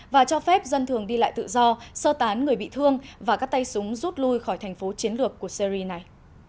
và cho phép dân thường đi lại tự do sơ tán người bị thương và các tay súng rút lui khỏi thành phố chiến lược của syri này